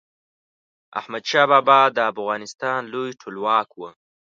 احمد شاه بابا د افغانستان لوی ټولواک و.